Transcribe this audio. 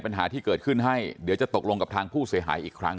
ปัญหาที่เกิดขึ้นให้เดี๋ยวจะตกลงกับทางผู้เสียหายอีกครั้ง